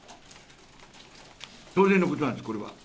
当然のことなんです、これは。